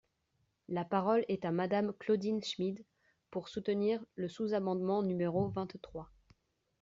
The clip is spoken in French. La parole est à Madame Claudine Schmid, pour soutenir le sous-amendement numéro vingt-trois.